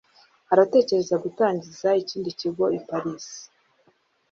Aratekereza gutangiza ikindi kigo i Paris.